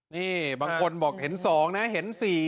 นี่บางคนบอกเห็น๒นะเห็น๔